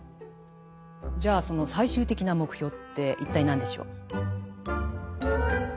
じゃあその最終的な目標って一体何でしょう？